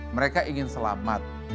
mereka ingin selamat